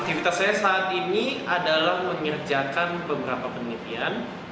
aktivitas saya saat ini adalah mengerjakan beberapa penelitian